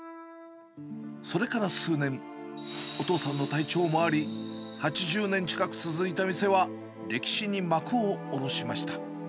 それから数年、お父さんの体調もあり、８０年近く続いた店は歴史に幕を下ろしました。